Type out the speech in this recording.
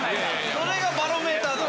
それがバロメーター。